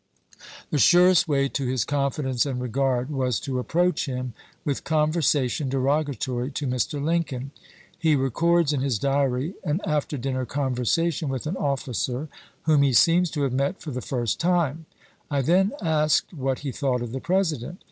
The surest way to his confidence and regard was to approach him with conversation derogatory to Mr. Lincoln. He records in his diary an after dinner conversation with an officer whom he seems to have met for the first time :" I then asked what he thought of the President."